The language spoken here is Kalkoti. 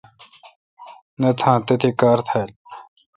نہ تھان تتھی کار تھال۔